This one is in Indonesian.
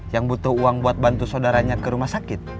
yang butuh uang buat bantu saudaranya ke rumah sakit